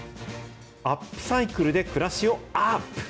アップサイクルで暮らしをアップ！